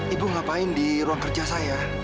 ibu ngapain di ruang kerja saya